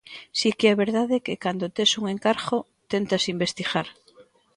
Si que é verdade que cando tes un encargo tentas investigar.